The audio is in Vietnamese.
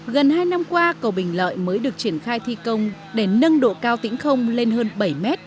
gần hai năm qua cầu bình lợi mới được triển khai thi công để nâng độ cao tĩnh không lên hơn bảy m